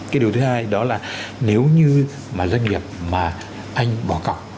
cái điều thứ hai đó là nếu như mà doanh nghiệp mà anh bỏ cọc